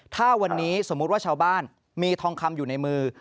ถ้าวันนี้สมมุติว่าชาวบ้านมีทองคำอยู่ในมือ